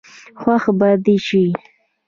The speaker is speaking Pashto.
خوښ به دي شي.